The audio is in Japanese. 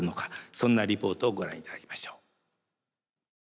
そんなリポートをご覧いただきましょう。